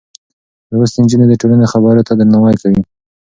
لوستې نجونې د ټولنې خبرو ته درناوی کوي.